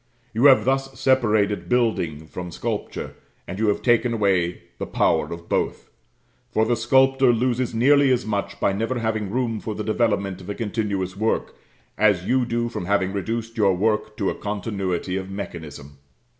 You have thus separated building from sculpture, and you have taken away the power of both; for the sculptor loses nearly as much by never having room for the development of a continuous work, as you do from having reduced your work to a continuity of mechanism.